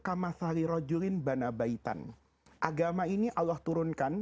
agama ini allah turunkan